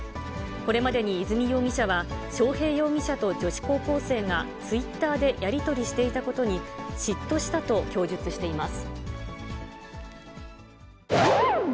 これまでに和美容疑者は、章平容疑者と女子高校生がツイッターでやり取りしていたことに、嫉妬したと供述しています。